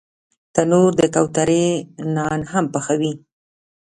تنور د کوترې نان هم پخوي